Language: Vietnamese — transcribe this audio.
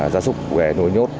gia súc về nuôi nhốt